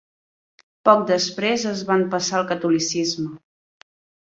Poc després es van passar al catolicisme.